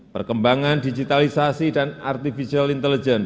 perkembangan digitalisasi dan artificial intelligence